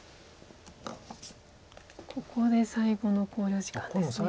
ここで最後の考慮時間ですね。